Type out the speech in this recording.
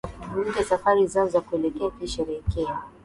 na kuvuruga safari zao za kuelekea kusherehekea